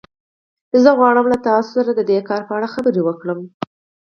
زه غواړم له تاسو سره د دې کار په اړه خبرې وکړم